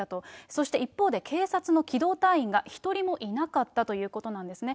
そして一方で警察の機動隊員が一人もいなかったということなんですね。